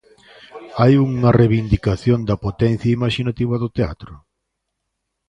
Hai unha reivindicación da potencia imaxinativa do teatro?